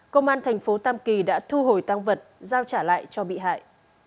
công an thành phố tam kỳ đã thu hồi tăng vật giao trả lại cho bị hại